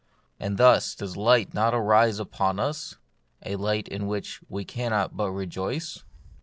And thus does not light arise upon us, a light in which we cannot but rejoice?